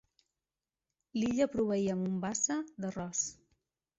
L'illa proveïa a Mombasa d'arròs.